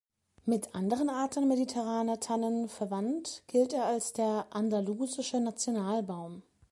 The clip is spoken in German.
Mit anderen Arten mediterraner Tannen verwandt gilt er als der „andalusische Nationalbaum“.